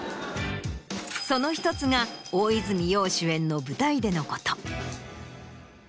その１つが大泉洋主演の舞台でのこと。